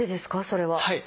それは。